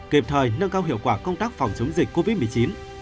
kịp thời nâng cao hiệu quả công tác phòng chống dịch covid một mươi chín